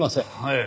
ええ。